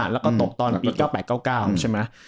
แล้วก็ตกตอนปี๙๘๙๙ใช่ไหม